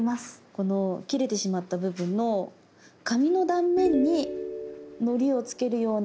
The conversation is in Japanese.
この切れてしまった部分の紙の断面にのりをつけるようなイメージで。